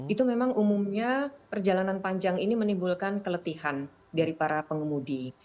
itu memang umumnya perjalanan panjang ini menimbulkan keletihan dari para pengemudi